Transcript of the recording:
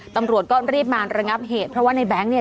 ตำรวจก็รีบมาระงับเหตุเพราะว่าในแบงค์เนี่ย